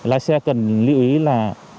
lái xe cần lưu ý là